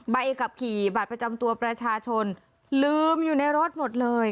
ใบขับขี่บัตรประจำตัวประชาชนลืมอยู่ในรถหมดเลย